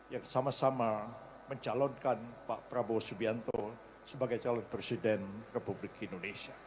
yang sama sama mencalonkan pak prabowo subianto sebagai calon presiden republik indonesia